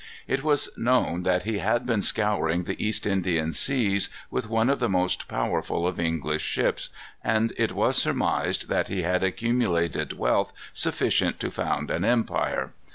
It was known that he had been scouring the East Indian seas with one of the most powerful of English ships, and it was surmised that he had accumulated wealth sufficient to found an empire.